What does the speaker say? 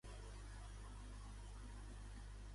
Què és la Historia Regum Birtanniae?